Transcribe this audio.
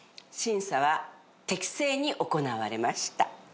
審査は適正に行われました。